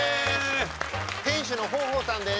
店主の豊豊さんです。